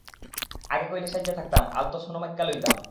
আগে কইলে সাইজ্জা থাকতাম, আলতা ছোনো মাইক্কা লইতাম।